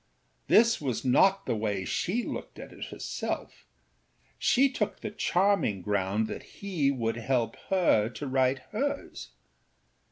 This was not the way she looked at it herself; she took the charming ground that he would help her to write hers.